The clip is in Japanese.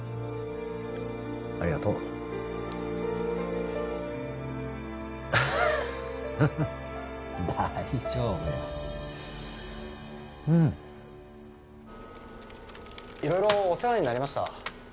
ありがとう大丈夫やうん色々お世話になりました